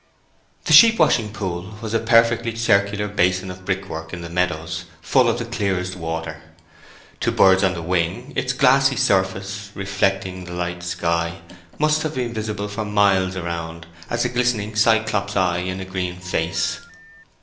The sheep washing pool was a perfectly circular basin of brickwork in the meadows, full of the clearest water. To birds on the wing its glassy surface, reflecting the light sky, must have been visible for miles around as a glistening Cyclops' eye in a green face.